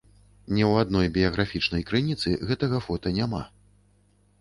Ні ў адной біяграфічнай крыніцы гэтага фота няма.